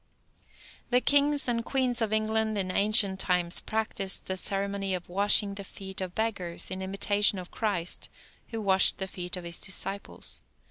The kings and queens of England in ancient times practiced the ceremony of washing the feet of beggars, in imitation of Christ, who washed the feet of His disciples.